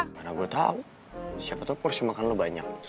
gak ada yang tau siapa tau porsi makan lo banyak